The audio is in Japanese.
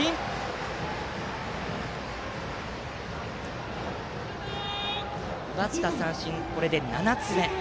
田端、奪った三振はこれで７つ目。